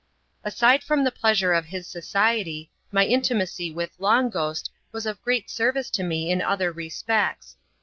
Aside from the pleasure of his society, my intimacy with Long Ghost was of great service to me in other respects.